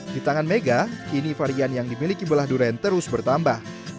di tangan mega kini varian yang dimiliki belah durian terus bertambah